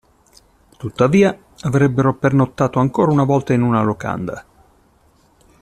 Tuttavia, avrebbero pernottato ancora una volta in una locanda.